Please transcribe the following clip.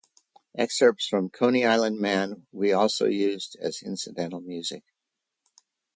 Excerpts from "Coney Island Man" wee also used as incidental music.